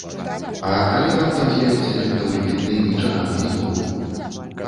А калі раптам з'явіцца нехта выбітны, нечаканы і новы?